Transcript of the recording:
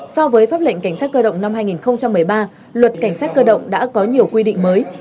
so với pháp lệnh cảnh sát cơ động năm hai nghìn một mươi ba luật cảnh sát cơ động đã có nhiều quy định mới